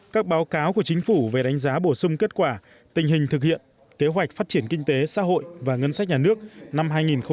các báo cáo của chính phủ về đánh giá bổ sung kết quả tình hình thực hiện kế hoạch phát triển kinh tế xã hội và ngân sách nhà nước năm hai nghìn một mươi chín